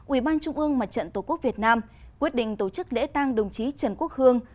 ủy ban trung ương mặt trận tổ quốc việt nam quyết định tổ chức lễ tang đồng chí trần quốc hương